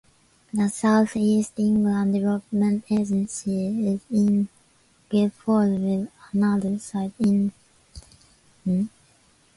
The South East England Development Agency is in Guildford, with another site in Chatham.